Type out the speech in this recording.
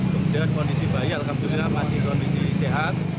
kemudian kondisi bayi akan berubah